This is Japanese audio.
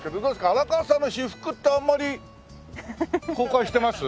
荒川さんの私服ってあんまり公開してます？